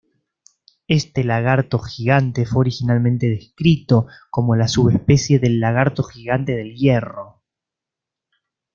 Este lagarto gigante fue originalmente descrito como la subespecie del Lagarto gigante del Hierro.